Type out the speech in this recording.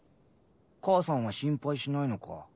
母さんは心配しないのか？